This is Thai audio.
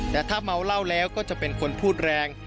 แต่ถ้าเมาเหล้าแล้วก็จะเป็นคนพูดแรง